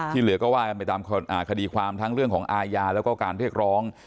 เหลือก็ว่ากันไปตามคดีความทั้งเรื่องของอาญาแล้วก็การเรียกร้อง